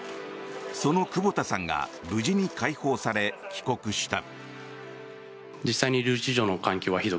その久保田さんが無事に解放され帰国した。